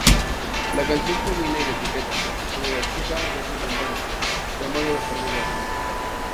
La canción culmina en la etiqueta, como la chica deja al cantante, llamándolo perdedor.